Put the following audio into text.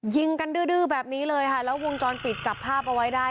ยิงกันดื้อดื้อแบบนี้เลยค่ะแล้ววงจรปิดจับภาพเอาไว้ได้